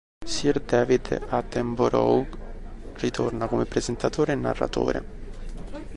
Sir David Attenborough ritorna come presentatore e narratore.